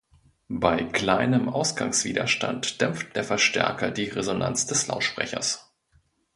Bei kleinem Ausgangswiderstand dämpft der Verstärker die Resonanz des Lautsprechers.